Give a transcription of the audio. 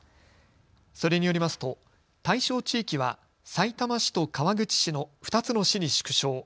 それによりますと対象地域は、さいたま市と川口市の２つの市に縮小。